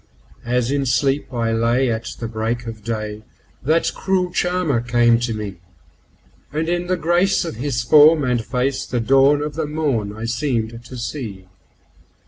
As in sleep I lay at the break of day that cruel charmer came to me, And in the grace of his form and face the dawn of the morn I seemed to see.